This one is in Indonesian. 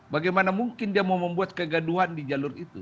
bagaimana mungkin dia mau membuat kegaduhan di jalur itu